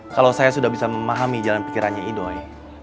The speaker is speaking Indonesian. kalau saya sudah bisa memahami jalan pikirannya idoy